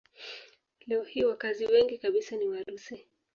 Leo hii wakazi wengi kabisa ni Warusi.